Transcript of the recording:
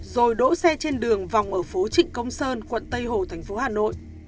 rồi đỗ xe trên đường vòng ở phố trịnh công sơn quận tây hồ thành phố hà nội